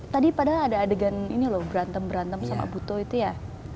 tadi padahal ada adegan ini loh berantem berantem sama buto itu ya